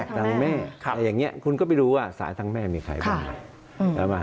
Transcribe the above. สายทางแม่แต่อย่างนี้คุณก็ไปดูว่าสายทางแม่มีใครบ้าง